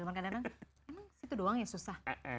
emang itu doang yang susah